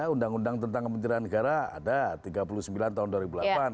undang undang tentang kementerian negara ada tiga puluh sembilan tahun dua ribu delapan